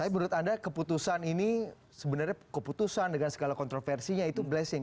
tapi menurut anda keputusan ini sebenarnya keputusan dengan segala kontroversinya itu blessing